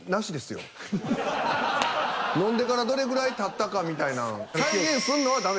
飲んでからどれぐらいたったかみたいなん。